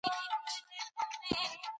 علمي بحثونه يې خوښول.